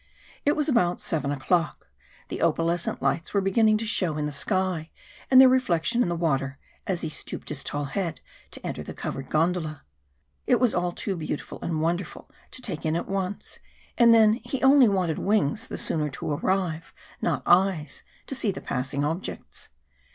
It was about seven o'clock, the opalescent lights were beginning to show in the sky, and their reflection in the water, as he stooped his tall head to enter the covered gondola. It was all too beautiful and wonderful to take in at once, and then he only wanted wings the sooner to arrive, not eyes to see the passing objects.